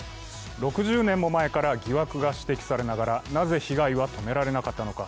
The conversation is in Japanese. ６０年も前から疑惑が指摘されながら、なぜ被害は止められなかったのか。